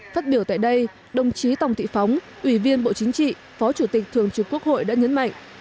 phát biểu tại đây đồng chí tòng thị phóng ủy viên bộ chính trị phó chủ tịch thường trực quốc hội đã nhấn mạnh